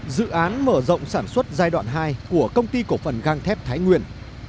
dự án mở rộng sản xuất giai đoạn hai của công ty cổ phần gang thép thái nguyên